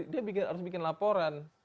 dia harus bikin laporan